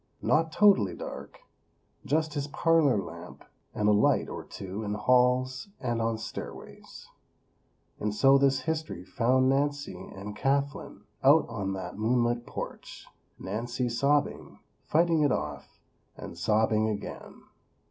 Not totally dark; just his parlor lamp, and a light or two in halls and on stairways. And so this history found Nancy and Kathlyn out on that moon lit porch; Nancy sobbing, fighting it off, and sobbing again.